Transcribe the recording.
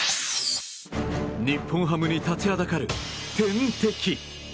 日本ハムに立ちはだかる天敵。